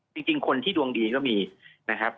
จริงคนที่ดวงดีก็มีนะครับ